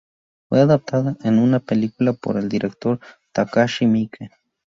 Fue adaptada en una película por el director Takashi Miike.